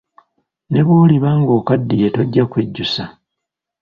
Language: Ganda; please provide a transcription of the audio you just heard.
Ne bw’oliba ng’okaddiye tojja kwejjusa.